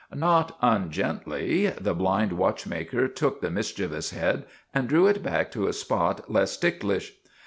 Not ungently the blind watchmaker took the mis chievous head and drew it back to a spot less tick lish.